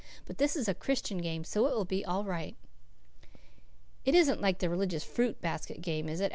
But this is a Christian game, so it will be all right." "It isn't like the religious fruit basket game, is it?"